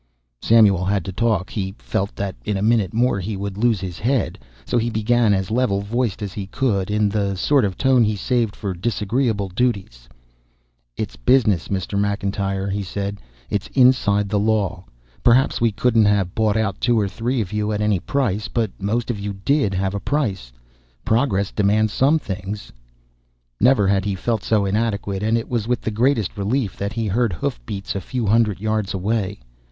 Samuel had to talk. He felt that in a minute more he would lose his head. So he began, as level voiced as he could in the sort of tone he saved for disagreeable duties. "It's business, Mr. McIntyre," he said. "It's inside the law. Perhaps we couldn't have bought out two or three of you at any price, but most of you did have a price. Progress demands some things " Never had he felt so inadequate, and it was with the greatest relief that he heard hoof beats a few hundred yards away.